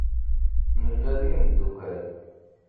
Nella d imeddukal.